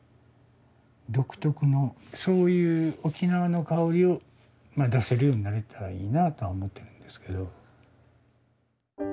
独特のそういう沖縄のかおりを出せるようになれたらいいなとは思ってるんですけど。